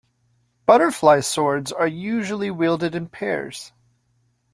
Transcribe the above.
Butterfly swords are usually wielded in pairs.